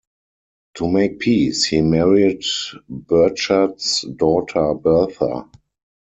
To make peace, he married Burchard's daughter Bertha.